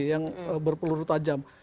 yang berpeluru tajam